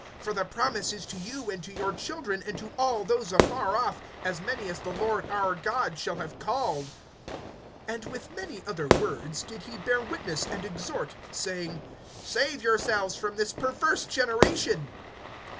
(39)For the promise is to you, and to your children, and to all those afar off, as many as the Lord our God shall have called. (40)And with many other words did he bear witness and exhort, saying: Save yourselves from this perverse generation.